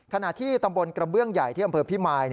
ขณะที่ตำบลกระเบื้องใหญ่ที่อำเภอพิมาย